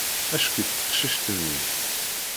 Acki-tt teqcict-nni!